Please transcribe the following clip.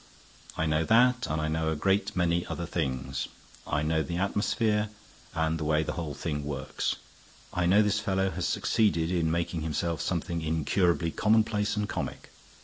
"I know that, and I know a great many other things. I know the atmosphere and the way the whole thing works. I know this fellow has succeeded in making himself something incurably commonplace and comic.